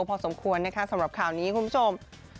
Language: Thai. พอสมควรนะคะสำหรับข่าวนี้คุณผู้ชม